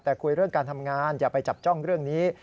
แต่คุยเรื่องการทำงานอย่าไปจับจ้องเรื่องนี้